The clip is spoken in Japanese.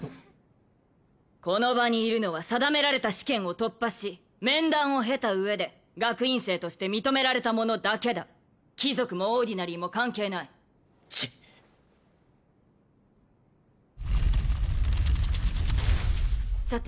この場にいるのは定められた試験を突破し面談を経た上で学院生として認められた者だけだ貴族もオーディナリーも関係ないチッさて